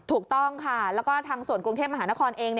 ถูกต้องค่ะแล้วก็ทางส่วนกรุงเทพมหานครเอง